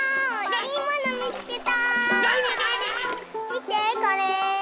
みてこれ！